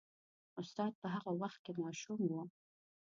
استاد په هغه وخت کې ماشوم و.